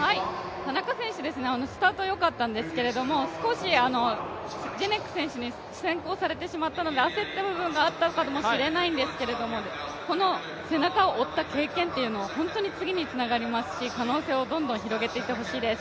田中選手、スタートよかったんですけれども少しジェネック選手に先行されてしまったので焦った部分があったかもしれないんですが、この背中を追った経験というのは本当に次につながりますし可能性をどんどん広げていってほしいです。